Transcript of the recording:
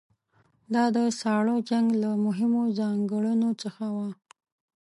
دا د ساړه جنګ له مهمو ځانګړنو څخه وه.